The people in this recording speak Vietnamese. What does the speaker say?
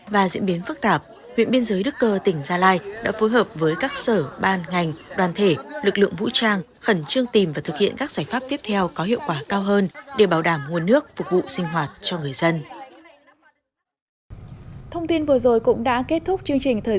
và diễn biến phức tạp huyện biên giới đức cơ tỉnh gia lai đã phối hợp với các sở ban ngành đoàn thể lực lượng vũ trang khẩn trương tìm và thực hiện các giải pháp tiếp theo có hiệu quả cao hơn để bảo đảm nguồn nước phục vụ sinh hoạt cho người dân